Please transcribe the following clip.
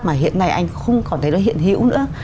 mà hiện nay anh không còn thấy nó hiện hữu nữa